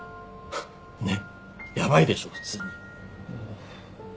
ねっヤバいでしょ普通に。